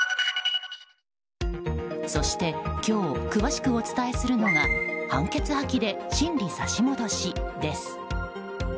そして今日詳しくお伝えするのが判決破棄で審理差し戻しです。